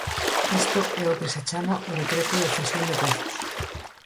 Iso é o que se chama o decreto de cesión de prezos.